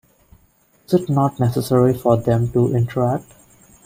Is it not necessary for them to interact?